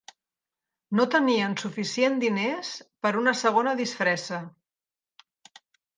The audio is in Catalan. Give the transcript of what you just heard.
No tenien suficient diners per una segona disfressa.